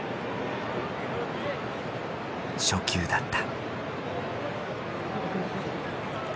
初球だった。